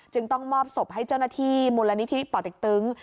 จึงต้องมอบสอบให้เจ้าหน้าที่มลนิธิป่อตกตึง